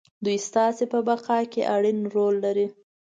دوی ستاسې په بقا کې اړين رول لري.